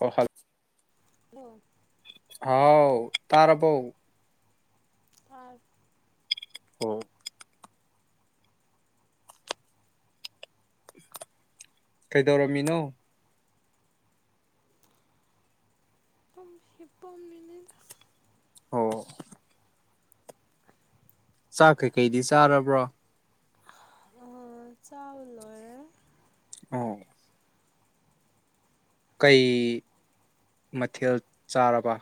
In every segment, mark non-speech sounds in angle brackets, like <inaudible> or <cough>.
ꯑꯣ ꯍꯜꯂ ꯂꯣ ꯍꯥꯎ ꯇꯔꯕꯣ ꯇꯥꯏ ꯑꯣ ꯀꯩꯗꯧꯔꯝꯃꯤꯅꯣ ꯁꯨꯝ ꯍꯤꯞꯄꯝꯃꯤꯅꯤꯗ ꯑꯣ ꯆꯥꯛ ꯀꯩꯀꯩꯗꯤ ꯆꯥꯔꯕ꯭ꯔꯣ ꯑ ꯆꯥꯕ ꯂꯣꯏꯔꯦ ꯎꯝ ꯀꯩ ꯃꯊꯦꯜ ꯆꯥꯔꯕ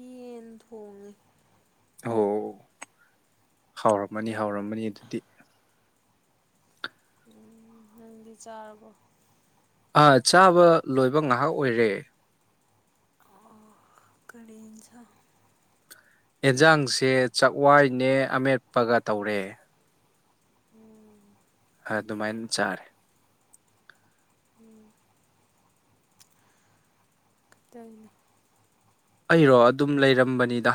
ꯌꯦꯟ ꯊꯣꯡꯉꯦ ꯑꯣ ꯍꯥꯎꯔꯝꯃꯅꯤ ꯍꯥꯎꯔꯝꯃꯅꯤ ꯑꯗꯨꯗꯤ ꯎꯝ ꯅꯪꯗꯤ ꯆꯥꯔꯕꯣ ꯑꯥ ꯆꯥꯕ ꯂꯣꯏꯕ ꯉꯥꯏꯍꯥꯛ ꯑꯣꯏꯔꯦ ꯑꯣ ꯀꯔꯤ ꯢꯟꯁꯥꯛ ꯑꯦꯟꯖꯥꯡꯁꯦ ꯆꯥꯛꯋꯥꯏꯅꯦ ꯑꯃꯦꯠꯄꯒ ꯇꯧꯔꯦ ꯎꯝ ꯑꯗꯨꯃꯥꯏꯅ ꯆꯥꯔꯦ ꯎꯝ ꯀꯩꯗꯧꯅꯣ ꯑꯩꯔꯣ ꯑꯗꯨꯝ ꯂꯩꯔꯝꯕꯅꯤꯗ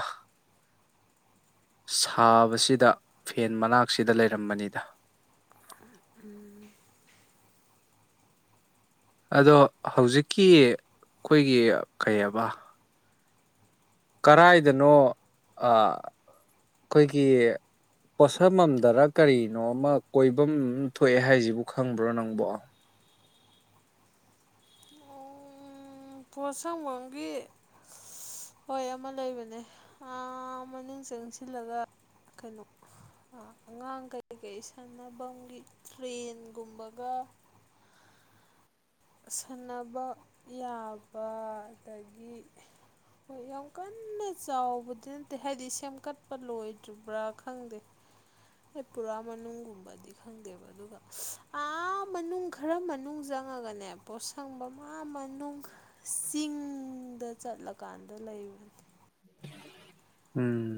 ꯁꯥꯕꯁꯤꯗ ꯐꯦꯟ ꯃꯅꯥꯛꯁꯤꯗ ꯂꯩꯔꯝꯕꯅꯤꯗ ꯎꯝ ꯑꯗꯣ ꯍꯧꯖꯤꯛꯀꯤ ꯑꯩꯈꯣꯏꯒꯤ ꯀꯩꯕ ꯀꯔꯥꯏꯗꯅꯣ ꯑ ꯑꯩꯈꯣꯏꯒꯤ ꯄꯣꯠꯁꯝꯃꯝꯗꯔ ꯀꯔꯤꯅꯣ ꯑꯃ ꯀꯣꯏꯐꯝ ꯊꯣꯛꯑꯦ ꯍꯥꯏꯁꯤꯕꯨ ꯈꯪꯕ꯭ꯔꯣ ꯅꯪꯕꯣ ꯎꯝ ꯄꯣꯠꯁꯪꯕꯝꯒꯤ ꯍꯣꯏ ꯑꯃ ꯂꯩꯕꯅꯦ ꯑ ꯃꯅꯨꯡ ꯆꯪꯁꯤꯜꯂꯒ ꯀꯩꯅꯣ ꯑꯉꯥꯡ ꯀꯩꯀꯩ ꯁꯥꯟꯅꯐꯝꯒꯤ ꯇ꯭ꯔꯦꯟꯒꯨꯝꯕꯒ ꯁꯥꯟꯅꯕ ꯌꯥꯕ ꯑꯗꯒꯤ ꯍꯣꯏ ꯌꯥꯝ ꯀꯟꯅ ꯆꯥꯎꯕꯗꯤ ꯅꯠꯇꯦ ꯍꯥꯏꯗꯤ ꯁꯦꯝꯀꯠꯄ ꯂꯣꯏꯗ꯭ꯔꯤꯕ꯭ꯔꯥ ꯈꯪꯗꯦ ꯇ꯭ꯔꯤꯄꯨꯔꯥ ꯃꯅꯨꯡꯒꯨꯝꯕꯗꯤ ꯈꯪꯗꯦꯕ ꯑꯗꯨꯒ ꯑꯥ ꯃꯅꯨꯡ ꯈꯔ ꯃꯅꯨꯡ ꯆꯪꯉꯒꯅꯦ ꯄꯣꯠꯁꯪꯕ ꯃꯥ ꯃꯅꯨꯡ ꯆꯤꯡꯗ ꯆꯠꯂꯀꯥꯟꯗ ꯂꯩꯕꯅꯤ ꯎꯝ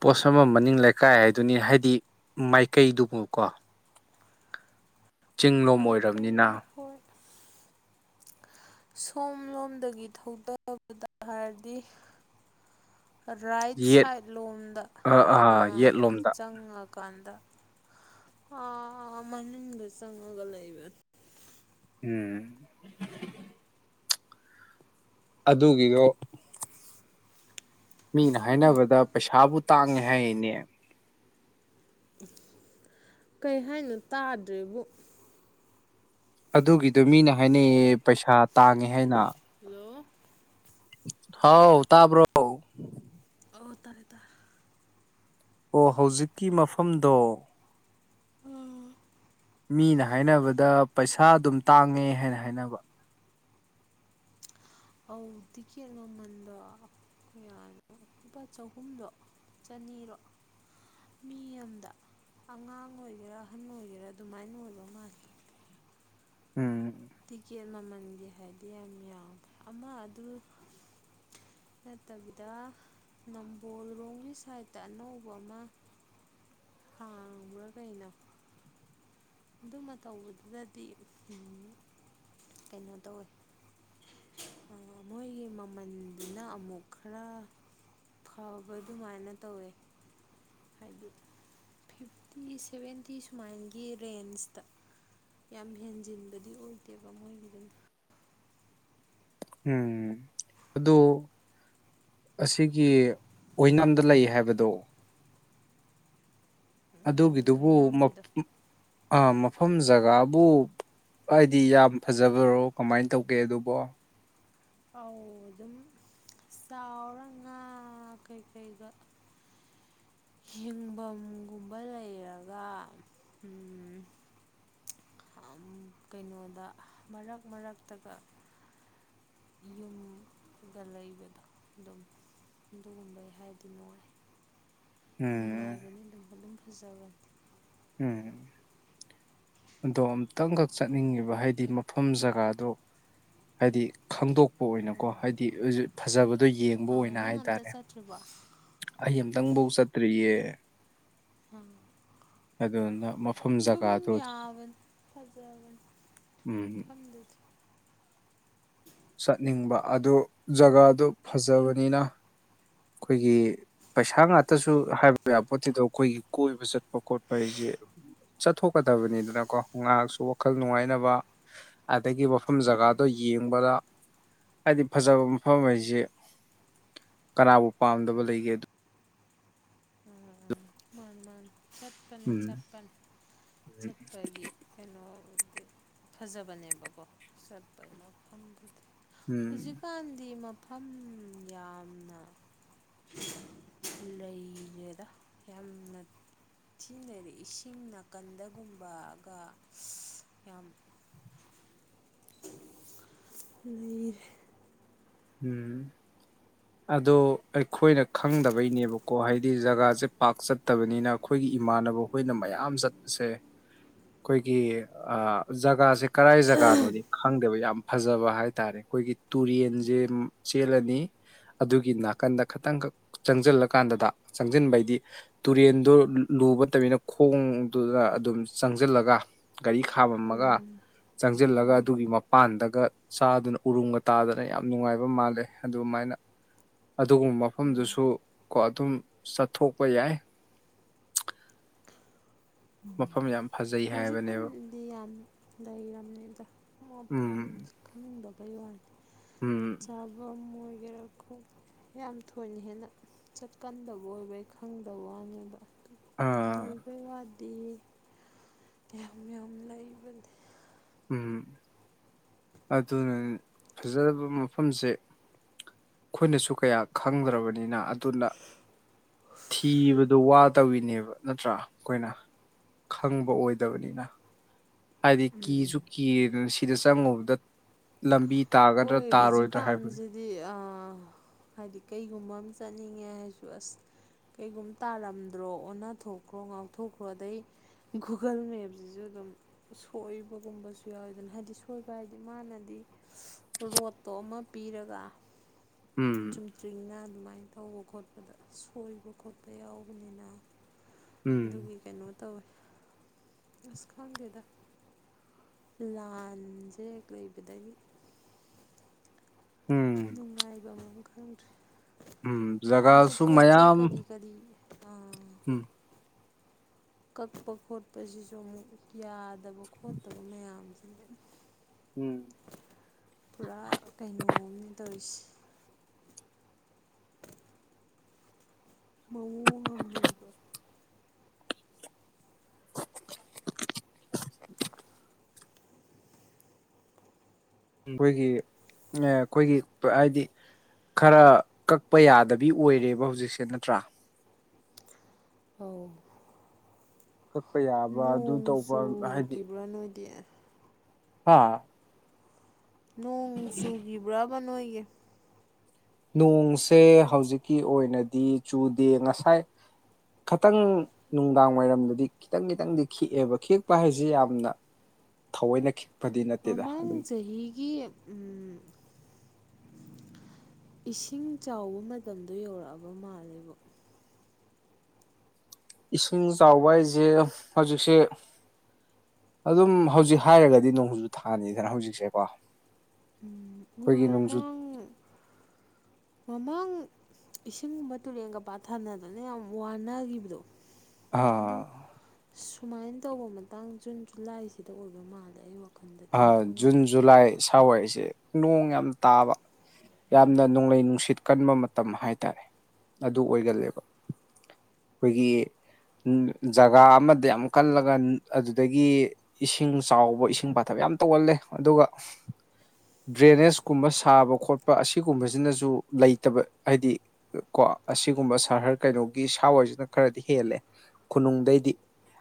ꯄꯣꯠꯁꯪꯐꯝ ꯃꯅꯤꯡ ꯂꯩꯀꯥꯏ ꯍꯥꯏꯗꯨꯅꯤ ꯍꯥꯏꯗꯤ ꯃꯥꯏꯀꯩꯗꯨꯕꯨ ꯀꯣ ꯆꯤꯡꯂꯣꯝ ꯃꯥꯏꯀꯩ ꯑꯣꯏꯔꯝꯅꯤꯅ ꯍꯣꯏ ꯁꯣꯝꯂꯣꯝꯗꯒꯤ ꯊꯧꯗꯕꯗ ꯍꯥꯏꯔꯗꯤ ꯔꯥꯏꯠ ꯌꯦꯠ ꯁꯥꯏꯠ ꯂꯣꯝꯗ ꯌꯦꯠꯂꯣꯝꯗ ꯆꯪꯉꯒ ꯗꯨꯀꯥꯟꯗ ꯑ ꯃꯅꯨꯡꯗ ꯆꯪꯉꯒ ꯂꯩꯕꯅꯤ ꯎꯝ ꯑꯗꯨꯒꯤꯒꯣ ꯃꯤꯅ ꯍꯥꯏꯅꯕꯗ ꯄꯩꯁꯥꯕꯨ ꯇꯥꯡꯉꯦ ꯍꯥꯏꯌꯦꯅꯦ ꯀꯩ ꯍꯥꯏꯅꯣ ꯇꯥꯗ꯭ꯔꯦꯕꯨ ꯑꯗꯨꯒꯤꯗꯣ ꯃꯤꯅ ꯍꯥꯏꯅꯩꯌꯦ ꯄꯩꯁꯥ ꯇꯥꯡꯉꯦ ꯍꯥꯏꯅ ꯍꯜꯂꯣ ꯍꯥꯎ ꯇꯥꯕ꯭ꯔꯣ ꯑꯣ ꯑꯣ ꯇꯥꯏ ꯇꯥꯏ ꯑꯣ ꯍꯧꯖꯤꯛꯀꯤ ꯃꯐꯝꯗꯣ ꯎꯝ ꯃꯤꯅ ꯍꯥꯏꯅꯕꯗ ꯄꯩꯁꯥ ꯑꯗꯨꯝ ꯇꯥꯡꯉꯦ ꯍꯥꯏꯅ ꯍꯥꯏꯅꯕ ꯑꯧ ꯇꯤꯛꯀꯦꯠ ꯃꯃꯟꯗꯣ ꯀꯌꯥꯅꯣ ꯂꯨꯄꯥ ꯆꯍꯨꯝꯂꯣ ꯆꯅꯤꯔꯣ ꯃꯤ ꯑꯝꯗ ꯑꯉꯥꯡ ꯑꯣꯏꯒꯦꯔꯥ ꯑꯍꯟ ꯑꯣꯏꯒꯦꯔꯥ ꯑꯗꯨꯃꯥꯏꯅ ꯑꯣꯏꯕ ꯃꯥꯜꯂꯦ ꯎꯝ ꯇꯤꯛꯀꯦꯠ ꯃꯃꯜꯒꯤ ꯍꯥꯏꯗꯤ ꯌꯥꯝ ꯌꯥꯝꯃꯦ ꯑꯃ ꯑꯗꯨ ꯅꯠꯇꯕꯤꯗ ꯅꯝꯕꯣꯜꯂꯣꯝꯒꯤ ꯁꯥꯏꯠꯇ ꯑꯅꯧꯕ ꯑꯃ ꯍꯥꯡꯕ꯭ꯔ ꯀꯩꯅꯣ ꯑꯗꯨꯃ ꯇꯧꯕꯗꯨꯗꯗꯤ ꯀꯩꯅꯣ ꯇꯧꯋꯦ ꯃꯣꯏꯒꯤ ꯃꯃꯜꯗꯨꯅ ꯑꯃꯨꯛ ꯈꯔ ꯐꯥꯕ ꯑꯗꯨꯃꯥꯏꯅ ꯇꯧꯋꯦ ꯍꯥꯏꯗꯤ ꯐꯤꯐꯇꯤ ꯁꯦꯚꯦꯟꯇꯤ ꯁꯨꯃꯥꯏꯟꯒꯤ ꯔꯦꯟꯖꯇ ꯌꯥꯝ ꯍꯦꯟꯖꯤꯟꯕꯗꯤ ꯑꯣꯏꯗꯦꯕ ꯃꯣꯏꯒꯤꯗꯅ ꯎꯝ ꯑꯗꯨ ꯑꯁꯤꯒꯤ ꯑꯣꯏꯅꯥꯝꯗ ꯂꯩ ꯍꯥꯏꯕꯗꯣ ꯑꯗꯨꯒꯤꯗꯨꯕꯨ ꯃ ꯑꯣꯏꯅꯥꯝꯒꯤꯗꯣ ꯑꯥ ꯃꯐꯝ ꯖꯒꯥꯕꯨ ꯍꯥꯏꯗꯤ ꯌꯥꯝ ꯐꯖꯕꯔꯣ ꯀꯃꯥꯏꯅ ꯇꯧꯒꯦ ꯑꯗꯨꯕꯣ ꯑꯧ ꯑꯗꯨꯝ ꯆꯥꯎꯔ ꯉꯥ ꯀꯩꯀꯩꯗ ꯍꯤꯡꯐꯝꯒꯨꯝꯕ ꯂꯩꯔꯒ ꯎꯝ ꯀꯩꯅꯣꯗ ꯃꯔꯛ ꯃꯔꯛꯇꯒ <unintelligible> ꯑꯗꯨꯒ ꯂꯩꯕꯗꯣ ꯑꯗꯨꯝ ꯑꯗꯨꯒꯨꯝꯕꯩ ꯍꯥꯏꯔꯗꯤ ꯅꯨꯡꯉꯥꯏ ꯎꯝ ꯅꯨꯡꯉꯥꯏꯕꯅꯤ ꯑꯗꯨꯝ ꯑꯗꯨꯨꯝ ꯐꯖꯕꯅꯦ ꯎꯝ ꯑꯗꯣ ꯑꯃꯨꯇꯪꯈꯛ ꯆꯠꯅꯤꯡꯉꯤꯕ ꯍꯥꯏꯗꯤ ꯃꯐꯝ ꯖꯒꯥꯗꯣ ꯍꯥꯏꯗꯤ ꯈꯪꯗꯣꯛꯄ ꯑꯣꯏꯅꯀꯣ ꯍꯥꯏꯗꯤ ꯐꯖꯕꯗꯣ ꯌꯦꯡꯕ ꯑꯣꯏꯅ ꯍꯥꯏꯇꯥꯔꯦ <unintelligible> ꯕ ꯑꯩ ꯑꯃꯨꯇꯪꯐꯧ ꯆꯠꯇ꯭ꯔꯤꯌꯦ ꯑ ꯑꯗꯨꯗꯨꯅ ꯃꯐꯝ ꯑꯗꯨꯝ ꯖꯒꯥꯗꯣ ꯌꯥꯕꯅꯤ ꯐꯖꯕꯅꯤ ꯎꯝ ꯃꯐꯝꯗꯨꯗꯤ ꯆꯠꯅꯤꯡꯕ ꯑꯗꯨ ꯖꯒꯥꯗꯨ ꯐꯖꯕꯅꯤꯅ ꯑꯩꯈꯣꯏꯒꯤ ꯄꯩꯁꯥ ꯉꯥꯛꯇꯁꯨ ꯍꯥꯏꯕ ꯌꯥ ꯄꯣꯠꯇꯤꯗꯣ ꯑꯩꯈꯣꯏꯒꯤ ꯀꯣꯏꯕ ꯆꯠꯄ ꯄꯀꯣꯠ ꯄ ꯍꯥꯏꯁꯦ ꯆꯠꯊꯣꯛꯀꯗꯕꯅꯤꯗꯅꯀꯣ ꯉꯥꯏꯍꯥꯛꯁꯨ ꯋꯥꯈꯜ ꯅꯨꯡꯉꯥꯏꯅꯕ ꯑꯗꯒꯤ ꯋꯥ ꯃꯐꯝ ꯖꯒꯥꯗꯣ ꯌꯦꯡꯕꯗ ꯍꯥꯏꯗꯤ ꯐꯖꯕ ꯃꯐꯝ ꯍꯥꯏꯁꯤ ꯀꯅꯥꯕꯨ ꯄꯥꯝꯗꯕ ꯂꯩꯒꯦꯗꯣ ꯎꯝ ꯃꯥꯅꯤ ꯃꯥꯅꯤ ꯆꯄꯅꯤ ꯎꯝ ꯆꯄꯅꯤ ꯆꯄꯒꯤ ꯀꯩꯅꯣꯗꯤ ꯐꯖꯕꯅꯦꯕꯀꯣ ꯆꯠꯄ ꯃꯐꯝꯗꯨꯗꯤ ꯎꯝ ꯍꯧꯖꯤꯛꯀꯥꯟꯗꯤ ꯃꯐꯝ ꯌꯥꯝꯅ ꯂꯩꯒꯦꯗ ꯌꯥꯝꯅ ꯊꯤꯅꯩꯔꯦ ꯏꯁꯤꯡ ꯅꯥꯀꯟꯗꯒꯨꯝꯕꯒ ꯌꯥꯝ ꯂꯩ ꯎꯝ ꯑꯗꯣ ꯑꯩꯈꯣꯏꯅ ꯈꯪꯗꯕꯩꯅꯦꯕꯀꯣ ꯍꯥꯏꯗꯤ ꯖꯒꯥꯁꯦ ꯄꯥꯛ ꯆꯠꯇꯕꯅꯤꯅ ꯑꯩꯈꯣꯏꯒꯤ ꯏꯃꯥꯟꯅꯕ ꯑꯩꯈꯣꯏꯅ ꯃꯌꯥꯝ ꯆꯠꯄꯁꯦ ꯑꯩꯈꯣꯏꯒꯤ ꯑ ꯖꯒꯥꯁꯦ ꯀꯔꯥꯏ ꯖꯒꯥꯅꯣꯗꯤ ꯈꯪꯗꯦꯕ ꯌꯥꯝ ꯐꯖꯕ ꯍꯥꯏꯇꯥꯔꯦ ꯑꯩꯈꯣꯏꯒꯤ ꯇꯨꯔꯦꯟꯁꯦ ꯎꯝ ꯆꯦꯜꯂꯅꯤ ꯑꯗꯨꯒꯤ ꯅꯥꯀꯟꯗ ꯈꯤꯇꯪꯈꯛ ꯆꯪꯁꯤꯜꯂꯀꯥꯟꯗꯗ ꯆꯪꯁꯤꯟꯕꯩꯗꯤ ꯇꯨꯔꯦꯟꯗꯨ ꯂꯨꯕ ꯇꯕꯅꯤꯅ ꯈꯣꯡꯗꯨꯗ ꯑꯗꯨꯝ ꯆꯪꯁꯤꯜꯂꯒ ꯒꯥꯔꯤ ꯈꯥꯝꯃꯝꯃꯒ ꯎꯝ ꯆꯪꯁꯤꯜꯂꯒ ꯎꯝ ꯑꯗꯨꯒꯤ ꯃꯄꯥꯟꯗꯒ ꯆꯥꯗꯨꯅ ꯎꯔꯨꯝꯒ ꯇꯥꯗꯅ ꯌꯥꯝ ꯅꯨꯡꯉꯥꯏꯕ ꯑꯗꯨ ꯃꯥꯜꯂꯦ ꯑꯗꯨꯃꯥꯏꯅ ꯑꯗꯨꯒꯨꯝꯕ ꯎꯝ ꯃꯐꯝꯗꯨꯁꯨ ꯀꯣ ꯑꯗꯨꯝ ꯆꯠꯊꯣꯛꯄ ꯌꯥꯏ ꯃꯐꯝ ꯌꯥꯝꯅ ꯐꯖꯩ ꯍꯥꯏꯕꯅꯦꯕ ꯍꯧꯖꯤꯛꯀꯥꯟꯗꯤ ꯌꯥꯝ ꯂꯩꯔꯝꯅꯦꯕ ꯎꯝ ꯃꯐꯝꯁꯦ ꯈꯪꯗꯕꯩ ꯋꯥꯅꯦ ꯎꯝ ꯆꯥꯐꯝ ꯑꯣꯏꯒꯦꯔꯥꯈꯣ ꯌꯥꯝ ꯊꯣꯏꯅ ꯍꯦꯟꯅ ꯆꯠꯀꯟꯗꯕ ꯑꯣꯏꯕꯩ ꯈꯪꯗꯕ ꯋꯥꯅꯤꯕ ꯑꯥ ꯂꯩꯕꯩ ꯋꯥꯗꯤ ꯃꯌꯥꯝ ꯌꯥꯝ ꯂꯩꯕꯅꯦ ꯎꯝ ꯑꯗꯨꯅ ꯐꯖꯔꯕ ꯃꯐꯝꯁꯦ ꯑꯩꯈꯣꯏꯅꯁꯨ ꯀꯌꯥ ꯈꯪꯗ꯭ꯔꯕꯅꯤꯅ ꯑꯗꯨꯅ ꯊꯤꯕꯗ ꯋꯥꯇꯕꯤꯅꯦꯕ ꯅꯠꯇ꯭ꯔꯥ ꯑꯩꯈꯣꯏꯅ ꯈꯪꯕ ꯑꯣꯏꯗꯕꯅꯤꯅ ꯍꯥꯏꯗꯤ ꯎꯝ ꯀꯤꯁꯨ ꯎꯝ ꯀꯤꯗ ꯁꯤꯗ ꯆꯪꯉꯨꯗ ꯂꯝꯕꯤ ꯇꯥꯒꯗ꯭ꯔꯥ ꯇꯥꯔꯣꯏꯗ꯭ꯔꯥ ꯍꯥꯏꯕ ꯗꯤ ꯑ ꯍꯥꯏꯗꯤ ꯀꯩꯒꯨꯝꯕ ꯑꯝ ꯆꯠꯅꯤꯡꯉꯦ ꯍꯥꯏꯁꯨ ꯑꯁ ꯀꯩꯒꯨꯝ ꯇꯥꯂꯝꯗ꯭ꯔꯣ ꯑꯣꯟꯅ ꯊꯣꯛꯈ꯭ꯔꯣ ꯉꯥꯎꯊꯣꯛꯈ꯭ꯔꯣ ꯑꯗꯩ ꯒꯨꯒꯜ ꯃꯦꯞꯖꯤꯖꯨ ꯗꯨꯝ ꯁꯣꯏꯕꯒꯨꯝꯕꯁꯨ ꯌꯥꯎꯋꯤꯗꯅ ꯍꯥꯏꯗꯤ ꯁꯣꯏꯕ ꯍꯥꯏꯗꯤ ꯃꯥꯅꯗꯤ ꯔꯣꯠꯇꯣ ꯑꯃ ꯄꯤꯔꯒ ꯎꯝ ꯆꯨꯝꯇ꯭ꯔꯤꯡꯅ ꯑꯗꯨꯃꯥꯏꯟ ꯇꯧꯕ ꯈꯣꯠꯄꯗ ꯁꯣꯏꯕ ꯈꯣꯠꯄ ꯌꯥꯎꯕꯅꯤꯅ ꯎꯝ ꯑꯗꯨꯒꯤ ꯀꯩꯅꯣ ꯇꯧꯋꯦ ꯑꯁ ꯈꯪꯗꯦꯗ ꯂꯥꯟꯖꯦꯛ ꯂꯩꯕꯗꯒꯤ ꯎꯝ ꯅꯨꯡꯉꯥꯏꯕꯝ ꯑꯝ ꯎꯝ ꯈꯪꯍꯗ꯭ꯔꯦ ꯀꯥꯟꯁꯦ ꯖꯒꯥꯁꯨ ꯄꯣꯠ ꯆꯩ ꯃꯌꯥꯝ ꯀꯔꯤ ꯀꯔꯤ ꯑꯥ ꯎꯝ ꯀꯛꯄ ꯈꯣꯠꯄꯖꯤꯖꯨ ꯑꯃꯨꯛ ꯌꯥꯗꯕ ꯈꯣꯠꯇꯕ ꯃꯌꯥꯝꯖꯤꯅ ꯎꯝ ꯄꯨꯔꯥ ꯀꯩꯅꯣ ꯑꯝꯅꯤ ꯇꯣꯏꯁꯤ ꯃꯑꯣꯡ ꯉꯝꯃꯦꯕ ꯈꯣꯏꯒꯤ ꯑꯦ ꯈꯣꯏꯒꯤ ꯍꯥꯏꯗꯤ ꯈꯔ ꯀꯛꯄ ꯌꯥꯗꯕꯤ ꯑꯣꯏꯔꯦꯕ ꯍꯧꯖꯤꯛꯁꯦ ꯅꯠꯇ꯭ꯔꯥ ꯍꯧ ꯀꯛꯄ ꯌꯥ ꯅꯣꯡ ꯆꯨꯒꯤꯕ꯭ꯔꯥ ꯅꯣꯏꯗꯤ ꯍꯥ ꯅꯣꯡ ꯆꯨꯒꯤꯕ꯭ꯔꯕ ꯅꯣꯏꯒꯤ ꯅꯣꯡꯁꯦ ꯍꯧꯖꯤꯛꯀꯤ ꯑꯣꯏꯅꯗꯤ ꯆꯨꯗꯦ ꯉꯁꯥꯏ ꯈꯇꯪ ꯅꯨꯡꯗꯥꯡ ꯋꯥꯏꯔꯝꯗꯗꯤ ꯈꯤꯇꯪ ꯈꯤꯇꯪꯗꯤ ꯈꯤꯛꯑꯦꯕ ꯈꯤꯛꯄ ꯍꯥꯏꯖꯤ ꯌꯥꯝꯅ ꯊꯑꯣꯏꯅ ꯈꯤ ꯃꯃꯥꯡ ꯆꯍꯤꯒꯤ ꯎꯝ ꯏꯁꯤꯡ ꯆꯥꯎꯕ ꯃꯇꯝꯗꯣ ꯌꯧꯔꯛꯑꯕ ꯃꯥꯜꯂꯦꯕꯣ ꯏꯁꯤꯡ ꯆꯥꯎꯕ ꯍꯥꯏꯖꯦ ꯍꯧꯖꯤꯛꯁꯦ ꯑꯗꯨꯝ ꯍꯧꯖꯤꯛ ꯍꯥꯏꯔꯒꯗꯤ ꯅꯣꯡꯖꯨ ꯊꯥꯅꯤꯗꯅ ꯍꯧꯖꯤꯛꯁꯦꯀꯣ ꯎꯝ ꯎ ꯑꯩꯈꯣꯏꯒꯤ ꯅꯣꯡꯖꯨ ꯃꯃꯥꯡ ꯃꯃꯥꯡ ꯏꯁꯤꯡꯒꯨꯝꯕ ꯇꯨꯔꯦꯟꯒ ꯄꯥꯊꯥꯅꯗꯨꯅ ꯌꯥꯝ ꯋꯥꯅꯒꯤꯕꯗꯣ ꯑꯗꯨ ꯑ ꯁꯨꯃꯥꯏꯟ ꯇꯧꯕ ꯃꯇꯥꯡ ꯖꯨꯟ ꯖꯨꯂꯥꯏꯁꯤꯗ ꯑꯣꯏꯕ ꯃꯥꯜꯂꯦ ꯑꯩ ꯋꯥ ꯑꯍꯥ ꯖꯨꯟ ꯖꯨꯂꯥꯏ ꯁꯥꯋꯥꯏꯁꯦ ꯅꯣꯡ ꯌꯥꯝ ꯇꯥꯕ ꯌꯥꯝꯅ ꯅꯣꯡꯂꯩ ꯅꯨꯡꯁꯤꯠ ꯀꯟꯕ ꯃꯇꯝ ꯍꯥꯏꯇꯥꯔꯦ ꯑꯗꯨ ꯑꯣꯏꯒꯜꯂꯦꯕ ꯈꯣꯏꯒꯤ ꯖꯒꯥ ꯑꯃꯗ ꯌꯥꯝ ꯀꯜꯂꯒ ꯑꯗꯨꯗꯒꯤ ꯏꯁꯤꯡ ꯆꯥꯎꯕ ꯏꯁꯤꯡ ꯄꯥ ꯊꯕ ꯌꯥꯝ ꯇꯧꯒꯜꯂꯦ ꯑꯗꯨꯒ ꯗ꯭ꯔꯦꯅꯦꯁ ꯀꯨꯝꯕ ꯁꯥꯕ ꯈꯣꯠꯄ ꯑꯁꯤꯒꯨꯝꯕꯁꯤꯅꯖꯨ ꯂꯩꯇꯕ ꯍꯥꯏꯗꯤ ꯀꯣ ꯑꯁꯤꯒꯨꯝꯕ ꯁꯍꯔ ꯀꯩꯅꯣꯒꯤ ꯁꯥꯋꯥꯏꯁꯤꯅ ꯈꯔꯗꯤ ꯍꯦꯜꯂꯦ ꯈꯨꯅꯨꯡꯗꯩꯗꯤ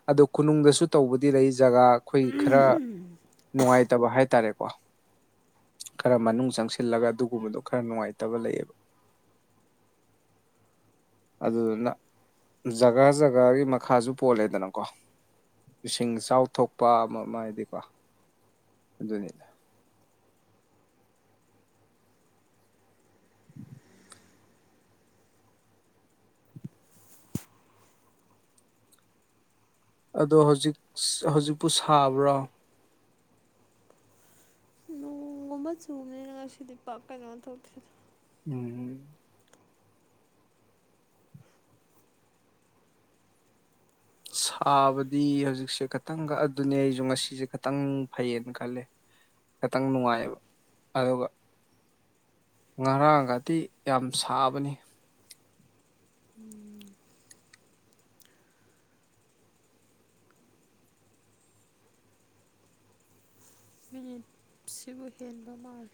ꯑꯗꯨ ꯈꯨꯅꯨꯡꯗꯁꯨ ꯇꯧꯕꯗꯤ ꯂꯩ ꯖꯒꯥ ꯈꯣꯏ ꯈꯔ ꯎꯝ ꯅꯨꯡꯉꯥꯏꯇꯕ ꯍꯥꯏꯇꯥꯔꯦꯀꯣ ꯈꯔ ꯃꯅꯨꯡ ꯆꯪꯁꯤꯜꯂꯒ ꯑꯗꯨꯒꯨꯝꯕꯗꯨ ꯈꯔ ꯅꯨꯡꯉꯥꯏꯇꯕ ꯂꯩꯌꯦꯕ <inaudible> ꯑꯗꯨꯗꯨꯅ ꯖꯒꯥ ꯖꯒꯥꯒꯤ ꯃꯈꯥꯁꯨ ꯄꯣꯜꯂꯦꯗꯅꯀꯣ ꯏꯁꯤꯡ ꯏꯆꯥꯎ ꯊꯣꯛꯄ ꯑꯃ ꯑꯃ ꯍꯥꯏꯗꯤꯀꯣ ꯑꯗꯨꯅꯤꯗ <inaudible> ꯑꯗꯣ ꯍꯧꯖꯤꯛ ꯍꯧꯖꯤꯛꯄꯨ ꯁꯥꯕ꯭ꯔꯣ ꯅꯣꯡ ꯒꯨꯝꯕ ꯆꯨꯕꯅꯤꯅ ꯉꯁꯤꯗꯤ ꯄꯥꯛ ꯀꯩꯅꯣ ꯇꯧꯗꯦ ꯎꯝ ꯁꯥꯕꯗꯤ ꯍꯧꯖꯤꯛꯁꯦ ꯈꯇꯪ ꯀꯛꯑ ꯑꯗꯨꯅꯦ ꯑꯩꯁꯨ ꯉꯁꯤꯁꯦ ꯈꯇꯪ ꯐꯩꯌꯦꯅ ꯈꯜꯂꯦ ꯈꯤꯇꯪ ꯅꯨꯡꯉꯥꯏꯌꯦꯕ ꯑꯗꯨꯒ ꯉꯔꯥꯡꯒꯗꯤ ꯌꯥꯝ ꯁꯥꯕꯅꯤ ꯎꯝ ꯁꯤꯕꯨ ꯍꯦꯟꯕ ꯃꯥꯂꯦ